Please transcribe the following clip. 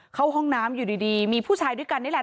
เข้าห้องน้ำอยู่ดีมีผู้ชายด้วยกันนี่แหละ